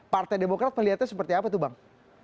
partai demokrat melihatnya seperti apa tuh bang